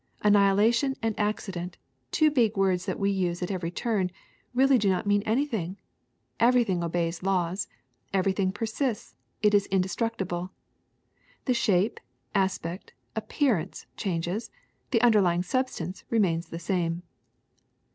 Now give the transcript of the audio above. Annihilation and accident, two big words that we use at every turn, really do not mean anything. Ever}^ thing obeys laws : everything persists, is indestruct ible. The shape, aspect, appearance, changes; the underlying substance remains the same.